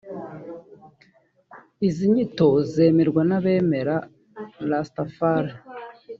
Izi nyito zemerwa n’abemera Rastafari